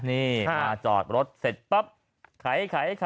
นี่มาจอดรถเสร็จปั๊บไข